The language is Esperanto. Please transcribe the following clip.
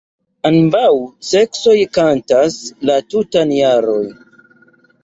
Ambaŭ seksoj kantas la tutan jaron.